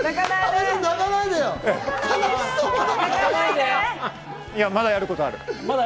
いや、まだやることある。